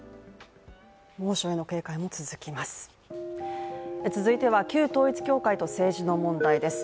猛暑への警戒も続きます。